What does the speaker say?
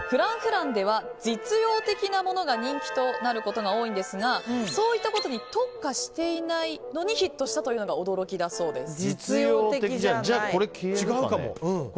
Ｆｒａｎｃｆｒａｎｃでは実用的なものが人気となることが多いんですがそういったことに特化していないのにヒットしたというのが驚きだそうです。